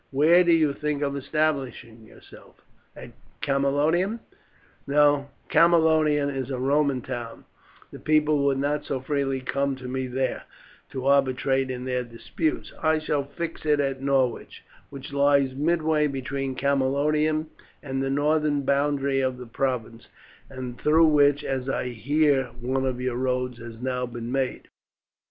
Where do you think of establishing yourself at Camalodunum?" "No. Camalodunum is a Roman town; the people would not so freely come to me there to arbitrate in their disputes. I shall fix it at Norwich, which lies midway between Camalodunum and the northern boundary of the province, and through which, as I hear, one of your roads has now been made."